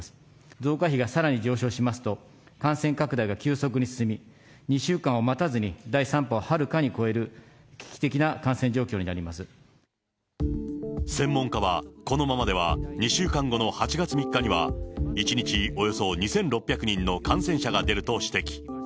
増加比がさらに上昇しますと、感染拡大が急速に進み、２週間を待たずに第３波をはるかに超える危機的な感染状況になり専門家は、このままでは２週間後の８月３日には、１日およそ２６００人の感染者が出ると指摘。